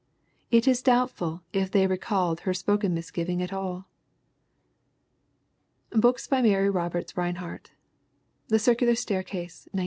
It is doubtful if they recalled her spoken misgiving at all. BOOKS BY MARY ROBERTS RINEHART The Circular Staircase, 1908.